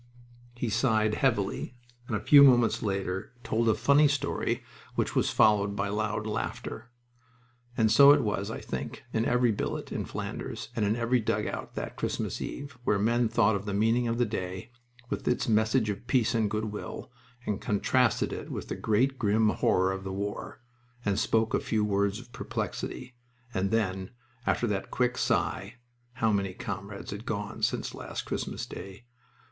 He sighed heavily, and a few moments later told a funny story, which was followed by loud laughter. And so it was, I think, in every billet in Flanders and in every dugout that Christmas Eve, where men thought of the meaning of the day, with its message of peace and goodwill, and contrasted it with the great, grim horror of the war, and spoke a few words of perplexity; and then, after that quick sigh (how many comrades had gone since last Christmas Day!)